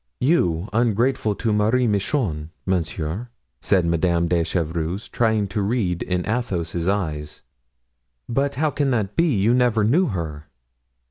"You ungrateful to Marie Michon, monsieur?" said Madame de Chevreuse, trying to read in Athos's eyes. "But how can that be? You never knew her."